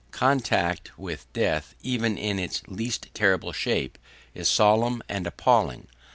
Contact with death even in its least terrible shape, is solemn and appalling.